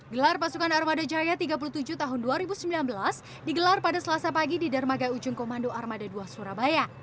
gelar pasukan armada jaya tiga puluh tujuh tahun dua ribu sembilan belas digelar pada selasa pagi di dermaga ujung komando armada dua surabaya